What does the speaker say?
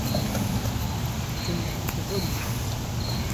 Kemm tqeble?.